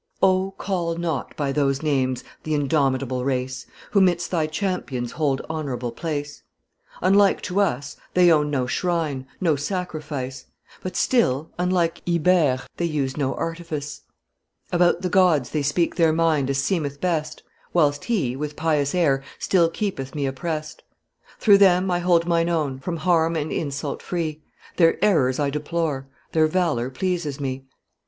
O, call not by those names th' indomitable race, Who 'midst my champions hold honorable place. Unlike to us, they own no shrine, no sacrifice; But still, unlike Ibere, they use no artifice; About the Gods they speak their mind as seemeth best, Whilst he, with pious air, still keepeth me opprest; Through them I hold mine own, from harm and insult free, Their errors I deplore, their valor pleases me.